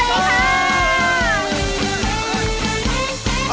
สวัสดีค่ะ